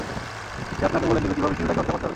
সে আপনাকে বলে দেবে কীভাবে শিশুটাকে হত্যা করতে হবে!